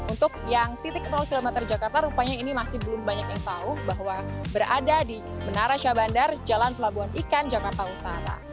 untuk yang titik km jakarta rupanya ini masih belum banyak yang tahu bahwa berada di menara syabandar jalan pelabuhan ikan jakarta utara